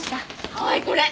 はいこれ！